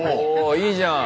いいじゃん。